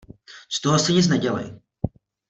Z toho si nic nedělej.